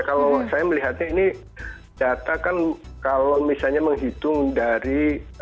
kalau saya melihatnya ini data kan kalau misalnya menghitung dari